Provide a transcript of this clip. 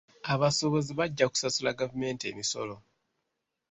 Abasuubuzi bajja kusasula gavumenti emisolo.